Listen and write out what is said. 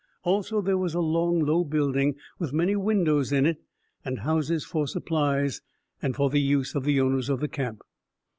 Also, there was a long, low building with many windows in it, and houses for supplies and for the use of the owners of the camp.